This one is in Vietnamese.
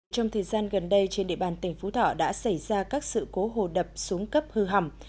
trong thời gian gần đây trên địa bàn tỉnh phú thọ đã xảy ra các sự cố hồ đập xuống cấp hư hầm